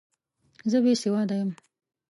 زه بې سواده یم!